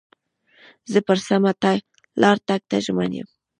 زه پر سمه لار تګ ته ژمن یم.